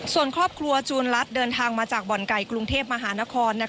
ส่วนครอบครัวจูนรัฐเดินทางมาจากบ่อนไก่กรุงเทพมหานคร